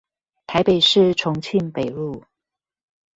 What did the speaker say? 台北市重慶北路